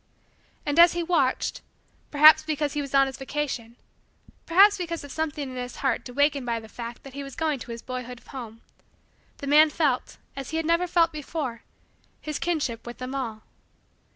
And, as he watched, perhaps because he was on his vacation, perhaps because of something in his heart awakened by the fact that he was going to his boyhood home, the man felt, as he had never felt before, his kinship with them all.